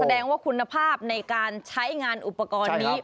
แสดงว่าคุณภาพในการใช้งานอุปกรณ์นี้